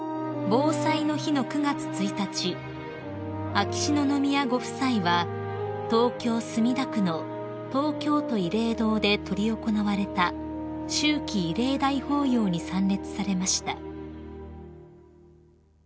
［防災の日の９月１日秋篠宮ご夫妻は東京墨田区の東京都慰霊堂で執り行われた秋季慰霊大法要に参列されました］